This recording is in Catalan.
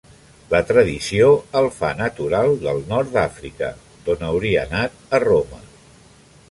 La tradició el fa natural del nord d'Àfrica, d'on hauria anat a Roma.